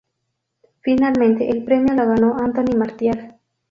Finalmente el premio lo ganó Anthony Martial.